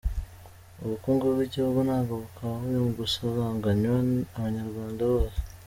Ubukungu bw’igihugu nabwo bukaba buri gusaranganywa abanyarwanda bose.